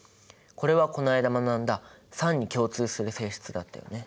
これはこの間学んだ酸に共通する性質だったよね。